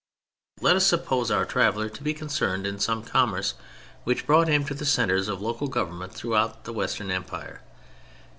Let us suppose our traveler to be concerned in some commerce which brought him to the centres of local government throughout the Western Empire.